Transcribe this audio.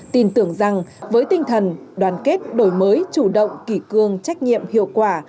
tin tưởng rằng với tinh thần đoàn kết đổi mới chủ động kỷ cương trách nhiệm hiệu quả